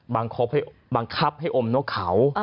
บังคับให้บังคับให้อมโนเขา